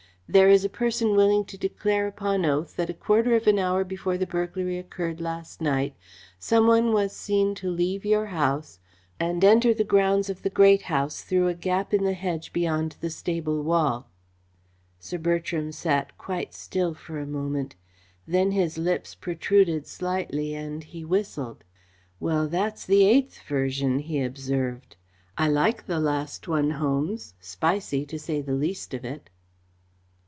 "There is a person willing to declare upon oath that a quarter of an hour before the burglary occurred last night some one was seen to leave your house, cross the park, and enter the grounds of the Great House through a gap in the hedge beyond the stable wall." Sir Bertram sat quite still for a moment. Then his lips protruded slightly and he whistled. "Well, that's the eighth version," he observed. "I like the last one, Holmes spicy, to say the least of it!"